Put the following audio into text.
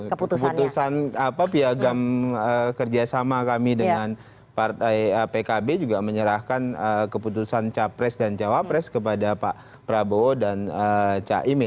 keputusan piagam kerjasama kami dengan partai pkb juga menyerahkan keputusan capres dan cawapres kepada pak prabowo dan caimin